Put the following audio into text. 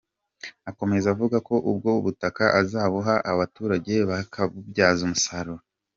Akomeza avuga ko ubwo butaka azabuha abaturage bakabubyaza umusaruro.